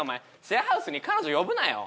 シェアハウスに彼女呼ぶなよ